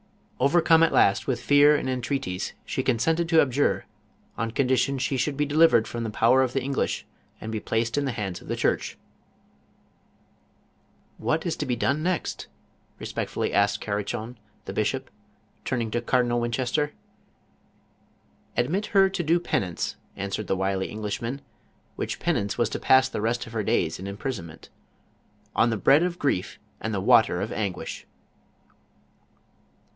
Overcome at last with fear and en treaties she consented to abjure, on condition she should be delivered from the power of the English and be placed in the hands of the church. " WW ia to 1^ dnflg ™«rtT7 HUjurtfllllj [ 1 I ll Hmi chon, tlie bishop, turning to Cardinal Winchester. " Admit her to do penance," answered the wily Eng lishman, which penance was to pass the rest of her days in imprisonment, "on the bread of grief and the water of anguish."